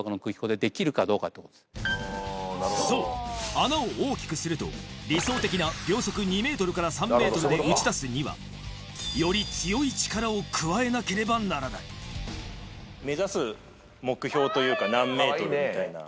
そう穴を大きくすると理想的な秒速２ｍから３ｍで撃ち出すにはより強い力を加えなければならない何ｍみたいな。